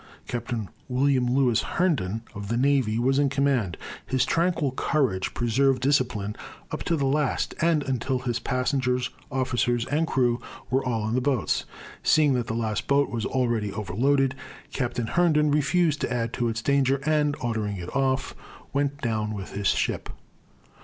Captain William Lewis Herndon, of the navy, was in command. His tranquil courage preserved discipline up to the last, and until his passengers, officers, and crew were all in the boats. Seeing that the last boat was already overloaded, Captain Herndon refused to add to its danger, and, ordering it off, went down with his ship.